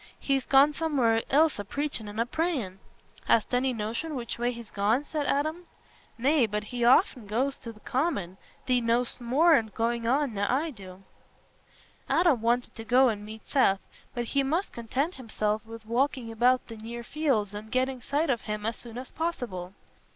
He's gone somewhere else a preachin' and a prayin'." "Hast any notion which way he's gone?" said Adam. "Nay, but he aften goes to th' Common. Thee know'st more o's goings nor I do." Adam wanted to go and meet Seth, but he must content himself with walking about the near fields and getting sight of him as soon as possible.